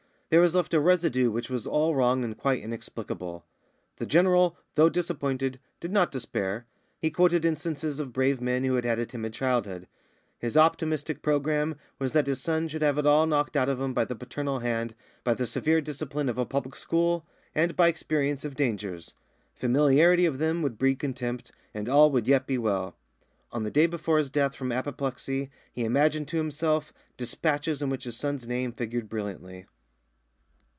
There was left a residue which was all wrong and quite inexplicable. The General, though disappointed, did not despair. He quoted instances of brave men who had had a timid childhood. His optimistic programme was that his son should have it all knocked out of him by the paternal hand, by the severe discipline of a public school, and by experience of dangers. Familiarity of them would breed contempt, and all would yet be well. On the day before his death from apoplexy he imagined to himself despatches in which his son's name figured brilliantly.